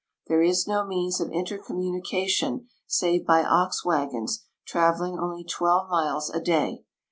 There is no means of intercommunication, .save by ox wagons, traveling only twelve miles a day.